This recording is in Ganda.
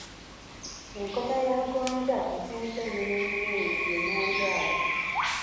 Enkota ya Gonja esinza eminwe eminene ye Manjaaya.